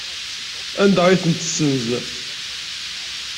Anda ay ten-tessenz?